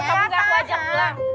enggak aku ajak pulang